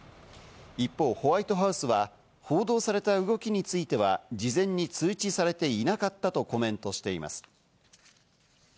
一方、ホワイトハウスは報道された動きについては事前に通知されていなかったとコメントしています。